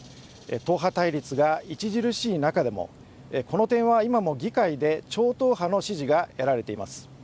党派対立が著しい中でもこの点は今も議会で超党派の支持が得られています。